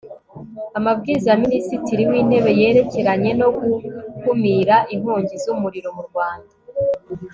Amabwiriza ya Minisitiri w Intebe yerekeranye no gukumira inkongi z umuriro mu Rwanda